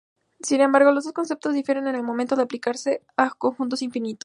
Sin embargo, los dos conceptos difieren en el momento de aplicarse a conjuntos infinitos.